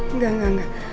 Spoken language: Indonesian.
enggak enggak enggak